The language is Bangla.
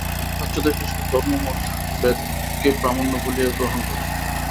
প্রাচ্যদেশের সব ধর্মমত বেদকে প্রামাণ্য বলিয়া গ্রহণ করে।